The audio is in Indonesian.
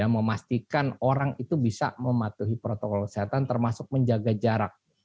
memastikan orang itu bisa mematuhi protokol kesehatan termasuk menjaga jarak